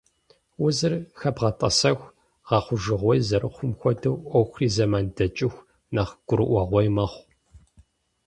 Узыр хэбгъэтӀэсэху гъэхъужыгъуей зэрыхъум хуэдэу Ӏуэхури, зэман дэкӀыху, нэхъ гурыӀуэгъуей мэхъу.